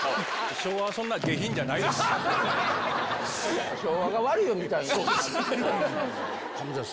昭和はそんな下品じゃないです。